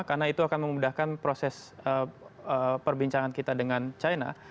karena itu akan memudahkan proses perbincangan kita dengan china